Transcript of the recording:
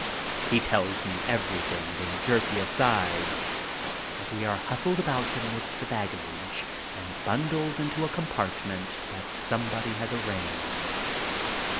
He tells me everything in jerky asides, as we are hustled about amidst the baggage and bundled into a compartment that somebody has arranged.